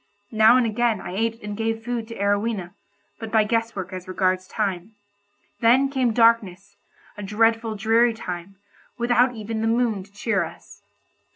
Now and again, I ate and gave food to Arowhena, but by guess work as regards time. Then came darkness, a dreadful dreary time, without even the moon to cheer us.